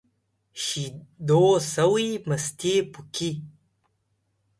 شيدو سوى ، مستې پوکي.